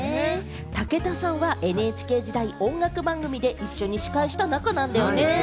武田さんはＮＨＫ時代、音楽番組で一緒に司会した仲なんだよね？